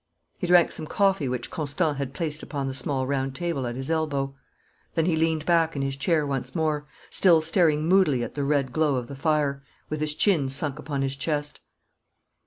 He drank some coffee which Constant had placed upon the small round table at his elbow. Then he leaned back in his chair once more, still staring moodily at the red glow of the fire, with his chin sunk upon his chest.